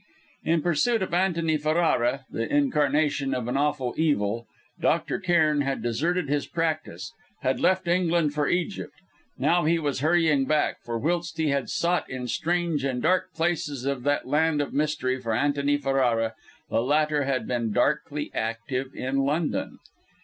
In pursuit of Antony Ferrara the incarnation of an awful evil Dr. Cairn had deserted his practice, had left England for Egypt. Now he was hurrying back again; for whilst he had sought in strange and dark places of that land of mystery for Antony Ferrara, the latter had been darkly active in London!